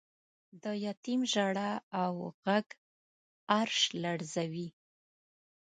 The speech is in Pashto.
د یتیم ژړا او غږ عرش لړزوی.